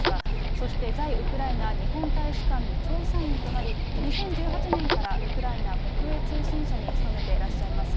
そして在ウクライナ日本大使館の調査員となり、２０１８年からウクライナ国営通信社に勤めていらっしゃいます。